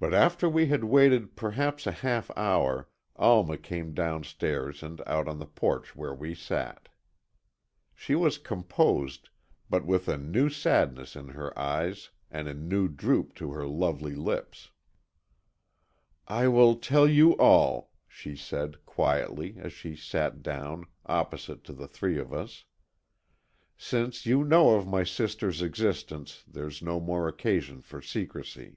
But after we had waited perhaps a half hour, Alma came downstairs and out to the porch where we sat. She was composed, but with a new sadness in her eyes and a new droop to her lovely lips. "I will tell you all," she said, quietly, as she sat down, opposite to the three of us. "Since you know of my sister's existence, there is no more occasion for secrecy."